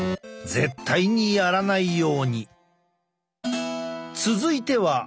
絶対にやらないように。